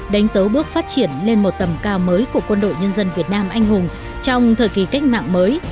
đánh dấu bước phát triển lên một tầm cao mới của quân đội nhân dân việt nam anh hùng trong thời kỳ cách mạng mới